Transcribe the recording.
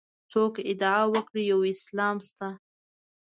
څوک ادعا وکړي یو اسلام شته.